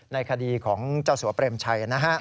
ในคดีของเจ้าสัวเปรมชัยนะฮะ